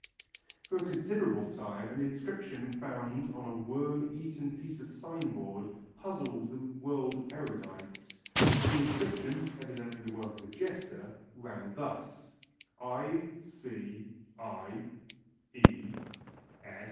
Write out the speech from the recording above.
For a considerable time an inscription found on a worm eaten piece of a sign board puzzled the world of erudites. The inscription, evidently the work of a jester, ran thus: I.C.I.................E.........